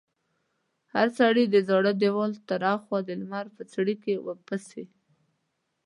هر سړي د زاړه دېوال تر خوا د لمر په څړیکې پسې.